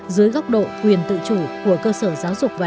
dưới góc độ quyền tự chủ của các trường